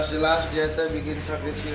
udah jelas jelas kita bikin sakit silam